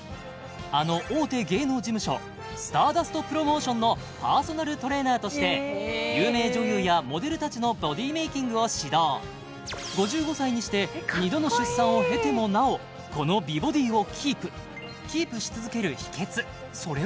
あの大手芸能事務所スターダストプロモーションのパーソナルトレーナーとして有名女優やモデルたちのボディメイキングを指導５５歳にして２度の出産を経てもなおこの美ボディをキープキープし続ける秘訣それは